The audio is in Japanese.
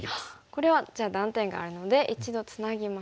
これはじゃあ断点があるので一度つなぎます。